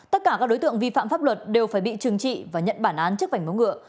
tất cả các đối tượng vi phạm pháp luật đều phải bị trừng trị và nhận bản án trước vảnh móng ngựa